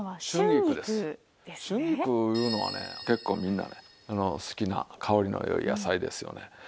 春菊いうのはね結構みんな好きな香りの良い野菜ですよね。